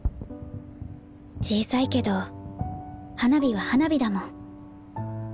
小さいけど花火は花火だもん。